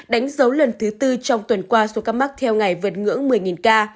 đánh dấu lần thứ tư trong tuần qua số ca mắc theo ngày vượt ngưỡng một mươi ca